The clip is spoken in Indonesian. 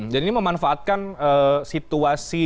dan ini memanfaatkan situasi